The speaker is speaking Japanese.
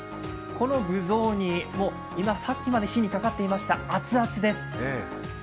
この具雑煮、今さっきまで火にかかっていました、熱々です。